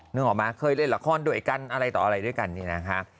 นึกออกมาเคยเล่นละครด้วยกันอะไรต่ออะไรด้วยกันเนี่ยนะคะ